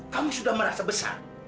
kamu sudah merasa besar